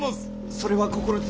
それは心強。